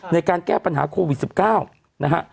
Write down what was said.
ในการแก้ปัญหาโควิด๑๙นะฮะ